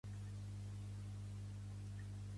Aquí la tele la fem les persones.